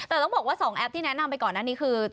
แต่ต้องบอกว่า๒แอปที่แนะนำไปก่อนหน้านี้คือ